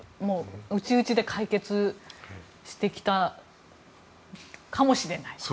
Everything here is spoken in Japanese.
内々で解決してきたかもしれないと。